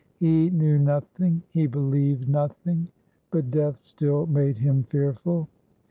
He knew nothing; he believed nothing. But death still made him fearful.